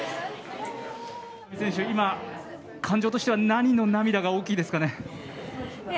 今、感情としては何の涙が大きいですかね？